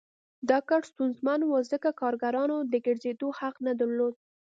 دا کار ستونزمن و ځکه کارګرانو د ګرځېدو حق نه درلود